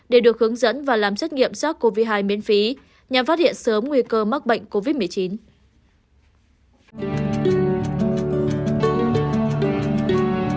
để được hướng dẫn và làm xét nghiệm giác covid một mươi chín miễn phí nhằm phát hiện sớm nguy cơ mắc bệnh covid một mươi chín